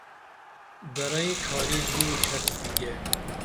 درئیں ڇھاری دُو چھٹ ویگے